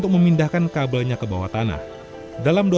apakah kami boleh menebaknya di dalam batang kota bandung